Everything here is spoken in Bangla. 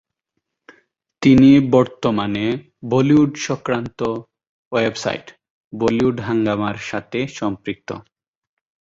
তিনি বর্তমানে বলিউড সংক্রান্ত ওয়েবসাইট "বলিউড হাঙ্গামা"র সাথে সম্পৃক্ত।